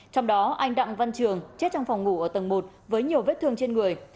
trong đó anh đặng văn trường chết trong phòng ngủ ở tầng một với nhiều vết thương trên người